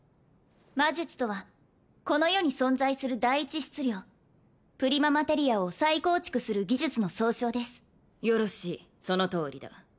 魔術とはこの世に存在する第一質料プリママテリアを再構築する技術の総称ですよろしいそのとおりだ